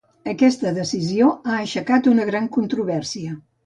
Aquesta decisió ha aixecat una gran controvèrsia.